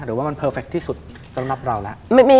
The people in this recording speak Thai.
หรือว่ามันเพอร์เฟคที่สุดสำหรับเราแล้ว